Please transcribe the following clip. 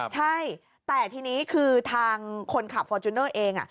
ใช่แต่ทีนี้คือทางคนขับฟอร์จูเนอร์เอง